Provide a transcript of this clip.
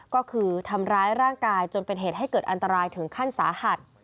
ก็คือทำร้ายร่างกายจนเป็นเหตุให้เกิดอันตรายถึงขั้นสาหัส